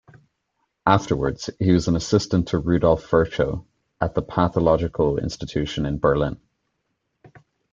Afterwards, he was an assistant to Rudolf Virchow at the Pathological Institute in Berlin.